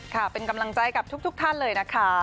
ค่ะเป็นกำลังใจกับทุกท่านเลยนะคะ